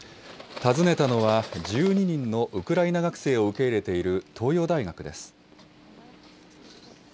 訪ねたのは、１２人のウクライナ学生を受け入れている東洋大学です。